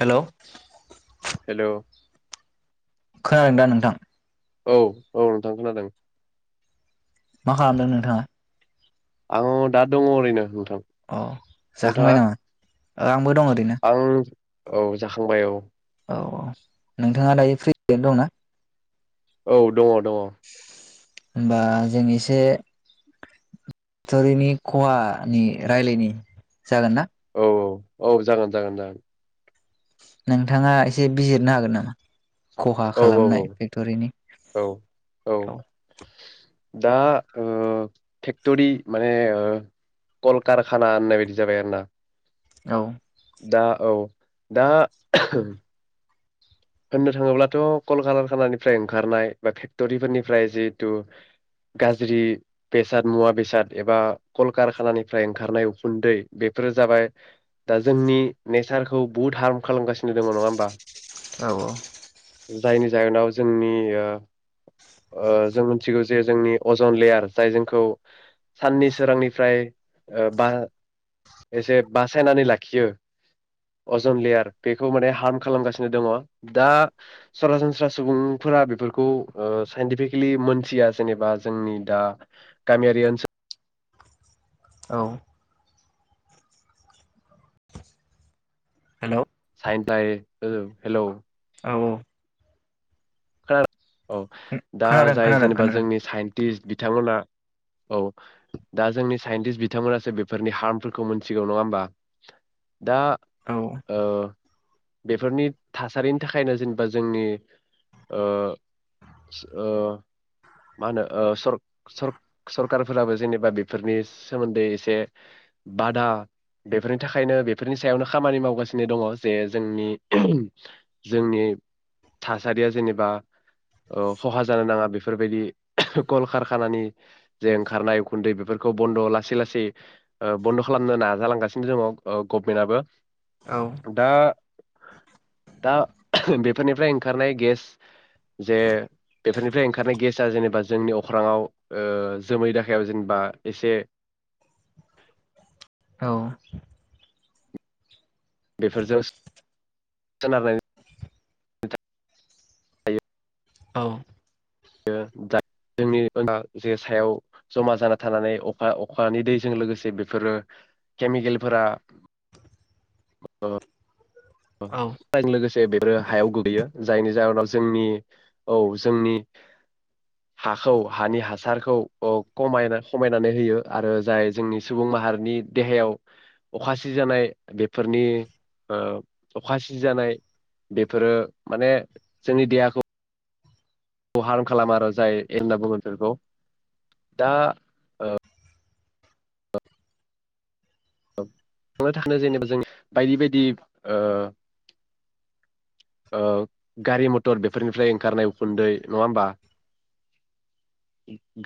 हेल' हेल' खोनादों दा नोंथां। औ औ नोंथां खोनादों। मा खालामदों नोंथाङा? आङ दा दङ ओरैनो नोंथा अ जाखांबाय नामा? अ आंबो दं ओरैनो। आं औ जाखांबाय औ। औ औ नोंथाङा दायो फ्रिनो दंना? औ दङ। दङ' होमबा जों एसे फक्तरिनि खहानि रायलायनि जागोन ना। औ औ जागोन जागोन जागोन। नोंथाङा एसे बिजिरनो हागोन नामा? खहा औ औ खालामनाय फेक्ट'रिनि औ औ। दा ओ फेक्टरि माने कलकारखाना होननाय बायदि जाबाय आरो ना। औ दा औ दा होननो थाङोब्लाथ कल कारखानानिफ्राय ओंखारनाय बा फेक्ट'रिफोरनिफ्राय जिहेतु गाज्रि बेसाद मुवा बेसाद एबा कलकारखानानिफ्राय ओंखारनाय उखुन्दै बेफोरो जाबाय दा जोंनि नेसारखौ बुहुत हार्म खालामगासिनो दङ नङा होमबा। औ औ जायनि जाहोनाव जोंनि ओ ओ जों मिथिगौ जे जोंनि अजन लेयार जाय जोंखौ साननि सोरांनिफ्राय ओ बा एसे बासायनानै लाखियो अजन लेयार बेखौ माने हार्म खालामगासिनो बिनो दङ दा सरासनस्रा सुबुंफोरा बेफोरखौ साइन्टिफिकेलि मोनथिया जेनेबा जोंनि दा गामियारि ओनसोल औ हेलौ साइथाइ हेलौ औ [unintelligible] औ दा खोनादों जाय खोनादों जेनेबा खोनादों जोंनि साइन्टिस्ट बिथांमोना औ दा जोंनि साइन्टिस बिथांमोनासो बेफोरनि हार्मफोरखौ मोनथिगौ नङा होमबा। दा औ ओ बेफोरनि थासारिनि थाखायनो जेनेबा जोंनि ओ ओ मा होनो ओ सर-सर-सरखाराफोराबो जेनेबा बेफोरनि सोमोन्दै एसे बादा बेफोरनि थाखायनो बेफोरनि सायावनो खामानि मावगासिनो दङ जे जोंनि जोंनि थासारिया जेनेबा बा ओ खहा जानो नाङा बेफोर बेफोरबायदि कल कारखानानि जे ओंखारनाय उखुन्दै बेफोरखौ बन्द' लासै लासै बन्द' खालामनो नाजालांगासिनो दङ गभमेन्टआबो औ दा दा बेफोरनिफ्राय ओंखारनाय गेस जे बेफोरनिफ्राय ओंखारनाय गेसा जेनेबा जोंनि अख्राङाव ओ जोमै दाखायाव जेनेबा एसे औ बेफोरजों सोनारनाय औ दा जोंनिाव जे सायाव जमा जाना थानानै अखा अखानि दैजों लोगोसे बेफोरो केमिकेलफोरा ओ औ जजों लोगोसे बेफोरो हायाव गोगैयो जायनि जाहोनाव जोंनि औ जोंनि हाखौ हानि हासारखौ औ खमायना खमायनानै होयो आरो जाय जोंनि सुबुं माहारिनि देहायाव अखा सिजानाय बेफोरनि अखा सिजानाय बेफोरो माने जोंनि देहाखौ खौ हार्म खालामा आरो जाय होनना बुङो बेफोरखौ दा ओ थां थानो जेनेबा जों बायदि बायदि ओ ओ गारि मथर बेफोरनिफ्राय ओंखारनाय उखुन्दै नङा होमबा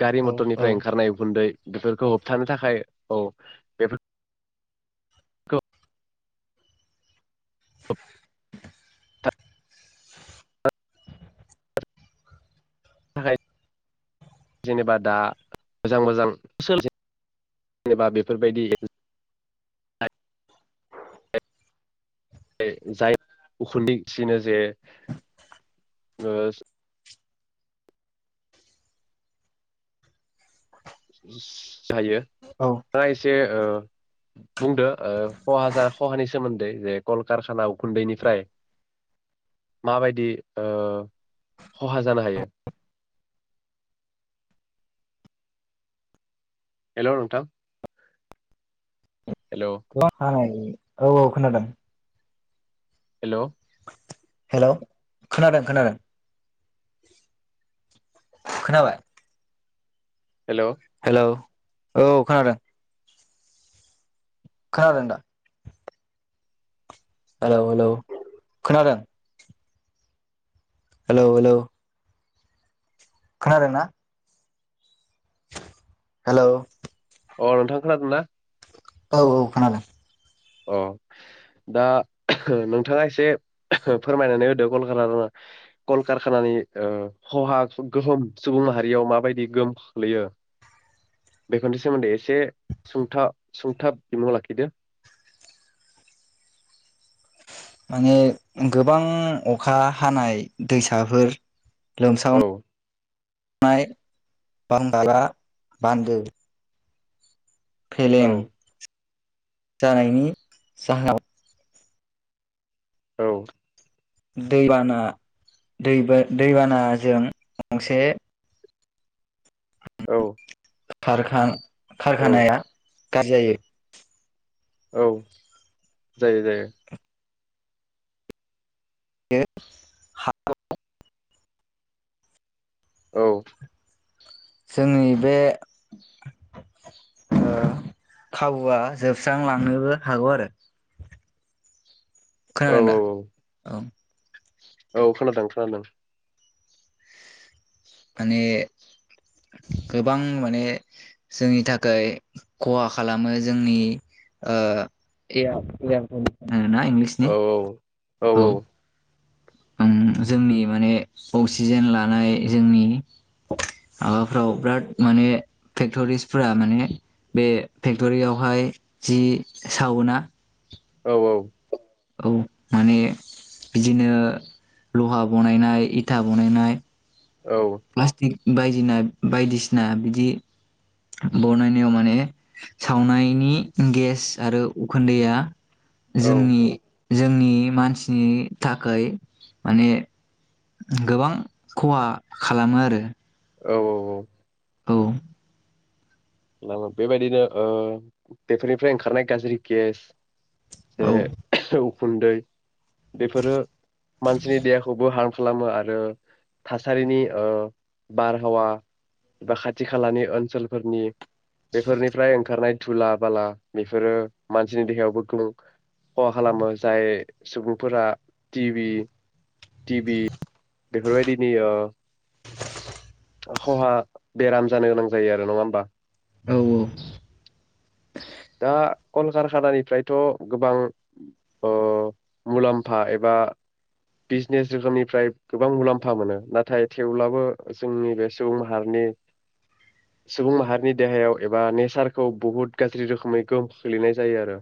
गारि औ औ मथरनिफ्राय ओंखारनाय उखुन्दै बेफोरखौ होबथानो थाखाय औ बेफोर होबथानो थाखाय जेनेबा दा मोजां मोजां [unintelligible] जेनेबा बेफोरबायदि जाय [unintelligible] जे जायो औ आ एसे ओ बुंदो खहानि सोमोन्दै जे कलकारखाना उखुन्दैनिफ्राय माबायदि ओ खहा जानो हायो हेलौ नोंथां हेल' [unintelligible] औ औ खोनादों हेलौ हेलौ खोनादों खोनादों खोनाबाय हेलौ हेलौ औ खोनादों खोनादोंदा हेलौ हेलौ खोनादों हेलौ हेलौ' खोनादोंना हेल' अ नोंथां खोनादों ना औ औ खोनादों अ दा नोंथाङा एसे फोरमायनानै होदो कलका कलकारखानानि खहा गोहोम सुबुं माहारियाव माबायदि गोहोम खोखलैयो बेफोरनि सोमोन्दै एसे सथाब सुंथाब बिमुं लाखिदो माने गोबां अखा हानाय दैसाफोर लोमसाव औ नाय बांगाला बान्दो औ फेलें जानायनि जाहोनाव औ दैबाना दै दैबानाजों गंसे औ [unintelligible] औ खारखानाया गारजि जायो औ जायो जायो [unintelligible] औ जोंनि बे ओ खाबुआ जोबस्रांलांनोबो हागौ आरो औ खोनादों दा औ औ औ खोनादों खोनादों माने गोबां माने जोंनि थाखाय खहा खालामो जोंनि ओ [unintelligible] इंलिसनि औ औ औ औ जोंनि माने अक्सिजेन लानाय जोंनि माबाफ्राव बिराद माने फेक्टरिसफोरा माने बे फेक्ट'रियावहाय जि सावोना औ औ औ माने बिदिनो लहा बनायनाय इथा बनायनाय औ प्लास्टिक बायदिना बायदिसिना बिदि बनायनायाव माने सावनायनि गेस आरो उखुन्दैआ औ जोंनि मानसिनि थाखाय माने गोबां खहा खालामो आरो औ औ औ औ बेबायदिनो ओ बेफोरनिफ्राय ओंखारनाय गाज्रि गेस से औ औ उखुन्दै बेफोरो मानसिनि देहाखौबो हार्म खालामो आरो थासारिनि बारहावा बा खाथि खालानि ओनसोलफोरनि बेफोरनिफ्राय ओंखारनाय धुला बाला बेफोरो मानसिनि देहायावबोखां खहा खालामो जाय सुबुंफोरा टिभि टिभि बेफोरबायदिनि खहा बेराम जानो गोनां जायो आरो नङा होमबा औ औ दा कलकारखानानिफ्रायथ' गोबां ओ मुलाम्फा एबा बिजनेस रोखोमनिफ्राय गोबां मुलाम्फा मोनो नाथाय थेवब्लाबो जोंनि बे सुबुं माहारिनि सुबुं माहारिनि देहायाव एबा नेचारखौ बहुत गाज्रि रोखोमै गोहोम खोलैनाय जायो आरो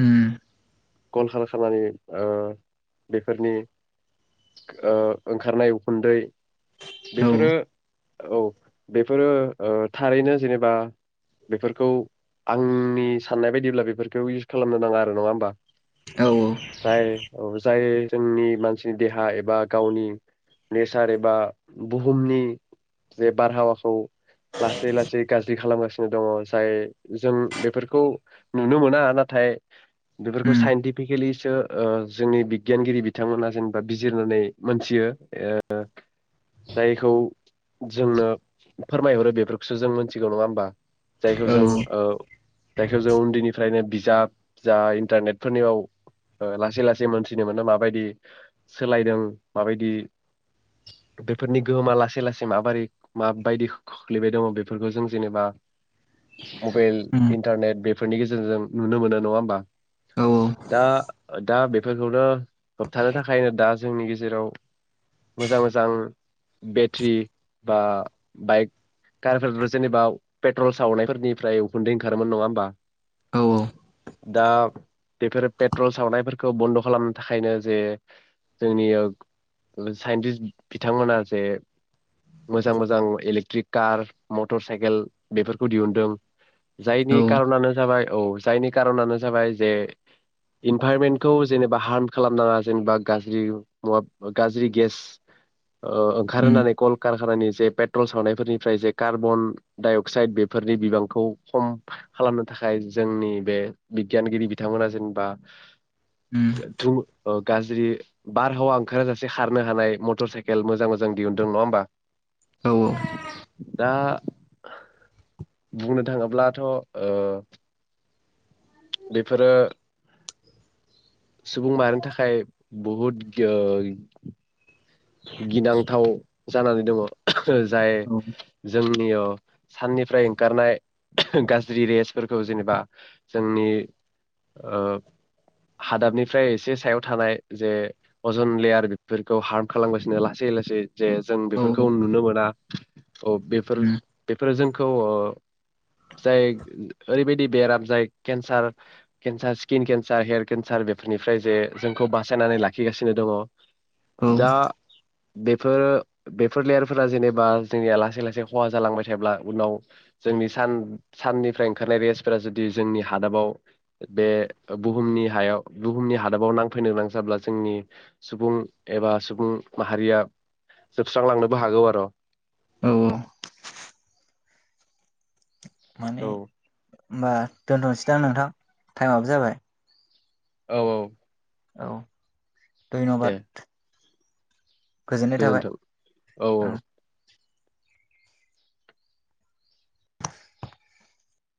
उम कलकारखानानि ओ बेफोरनि ओ ओंखारनाय उखुन्दै औ बेफोरो औ बेफोरो ओ थारैनो जेनेबा बेफोरखौ आंनि साननाय बायदिब्ला बेफोरखौ इउस खालामनो नाङा आरो नङा होमबा औ जाय औ जाय जोंनि मानसिनि देहा एबा गावनि नेचार एबा बुहुमनि जे बारहावाखौ लासै लासै गाज्रि खालामगासिनो दङ जाय जों बेफोरखौ नुनो मोना नाथाय बेफोरखौ उम साइन्टिफिकेलिसो ओ जोंनि बिगियानगिरि बिथांमोना जेनेबा बिजिरनानै मोनथियो ओ जायखौ जोंनो फोरमायहरो बेफोरखौसो जों मोनथिगौ नङा होमबा जायखौ औ औ जों ओ जायखौ जों उन्दैनिफ्रायनो बिजाब जा इन्टारनेटफोरनियाव ओ लासै लासै मोनथिनो मोनो माबायदि सोलायदों माबायदि बेफोरनि गोहोमा लासै लासै माबोरै माबायदि खोख्लैबाय दङ बेफोरखौ जों जेनेबा मबाइल उम इन्टारनेट बेफोरनि गेजेरजों नुनो मोनो नङा होमबा औ औ दा दा बेफोरखौनो होबथानो थाखायनो दा जोंनि गेजेराव मोजां मोजां बेट्रि बा बाइक कारफोरबो जेनेबा पेट्रल सावनायफोरनिफ्राय उखुन्दै ओंखारोमोन नङा होमबा? औ औ दा बेफोर पेट्रल सावनायफोरखौ बन्द' खालामनो थाखायनो जे जोंनि ओ साइन्टिस्ट बिथांमोना जे मोजां मोजां इलेक्ट्रिक कार मटर साइकेल बेफोरखौ दिहुनदों जायनि औ कारनानो जाबाय औ जायनि कारनानो जाबाय जे इनभाइरमेन्टखौ जेनेबा हार्म खालामनाङा जेनेबा गाज्रि मुवा गाज्रि गेस ओ उम ओंखारहोनानै कलकारखानानि जे पेट्रल सावनायफोरनिफ्राय जे कार्बन डाइ अक्साइद बेफोरनि बिबांखौ खम खालामनो थाखाय जोंनि बे बिगियानगिरि बिथांमोना जेनबा उम गो थु ओ गाज्रि बारहावा ओंखारा जासे खारनो हानाय मटर साइ खेल मोजां मोजां दिहुनदों। नङा होनबा? औ औ [inaudible] दा बुंनो थाङोब्लाथ' ओ बेफोरो सुबुं माहारिनि थाखाय बुहुद दोय गिनांथाव जानानै दङ जाय औ जोंनि ओ साननिफ्राय ओंखारनाय गाज्रि रेसफोरखौ जेनेबा जोंनि ओ हादाबनिफ्राय एसे सायाव थानाय जे अजन लेयार बेफोरखौ हार्म खालामगासिनो लासै लासै जे जों बेफोरखौ नुनो मोना। अ बेफोर उम बेफोर जों खौ ओ जाय ओरैबायदि बेराम जाय cancer cancer skin cancer hair cancer बेफोरनिफ्राय जे जोंखौ बासायनानै लाखिगासिनो दङ औ बेफो बेफोर लेयारफोरा जेनेबा जोंनिया लासै लासै खहा जालांबाय थायोब्ला उनाव जोंनि सान साननिफ्राय ओंखारनाय रेसफोरा जुदि जोंनि हादाबाव बे बुहुमनि हायाव बुहुमनि हादाबाव नांफैनो गोनां जाब्ला जोंनि सुबुं एबा सुबुं माहारिया जोबस्रांलांनोबो हागौ आर' औ औ माने औ होमबा दोनथ'नसैदां नोंथां टाइमाबो जाबाय। औ औ औ। दे धयनबाद गोजोन्थों औ औ।